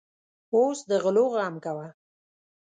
اوس د غلو غم کوه.